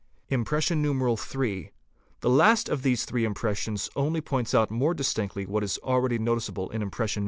Impression IIIT.—The last of these three impressions only points out more distinctly what is already noticeable in Impression II.